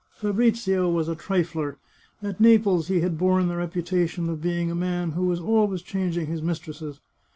Fabrizio was a trifler. At Naples he had borne the repu tation of being a man who was always changing his mis tresses.